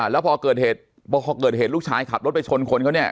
แล้วพอเกิดเหตุพอเกิดเหตุลูกชายขับรถไปชนคนก็เนี่ย